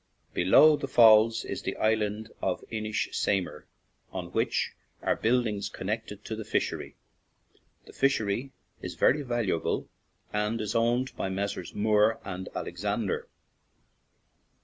Below the falls is the island of Inis Saimer, on which are buildings connected with the fishery. The fishery is very valuable, and is owned by Messrs. Moore & Alexander.